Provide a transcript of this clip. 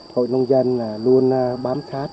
hội nông dân luôn bám sát